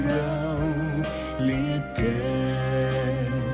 เราเหลือเกิน